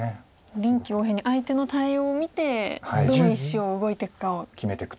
臨機応変に相手の対応を見てどの石を動いていくかを決めていくと。